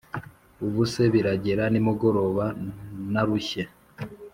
ubuse biragera nimugoroba narushye